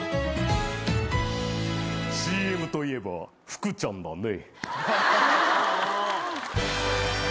ＣＭといえば福ちゃんだね。